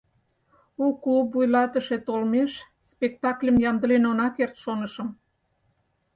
У клуб вуйлатыше толмеш спектакльым ямдылен она керт, шонышым.